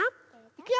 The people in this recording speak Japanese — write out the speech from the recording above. いくよ！